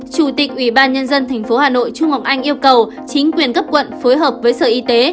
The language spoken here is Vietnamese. chủ tịch ủy ban nhân dân tp hà nội trung ngọc anh yêu cầu chính quyền cấp quận phối hợp với sở y tế